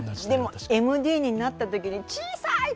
でも、ＭＤになったときに小さい！